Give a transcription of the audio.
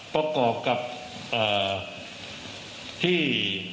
ประกอบกับที่